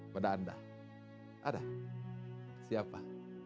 pada anda ada siapa